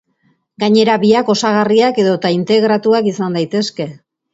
Gainera, biak osagarriak edota integratuak izan daitezke.